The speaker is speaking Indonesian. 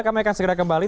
kami akan segera kembali